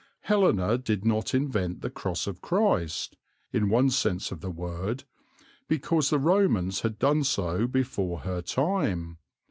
Helena did not invent the cross of Christ, in one sense of the word, because the Romans had done so before her time.